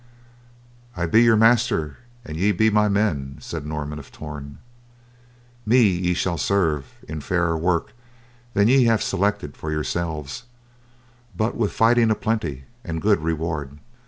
"I be your master and ye be my men," said Norman of Torn. "Me ye shall serve in fairer work than ye have selected for yourselves, but with fighting a plenty and good reward."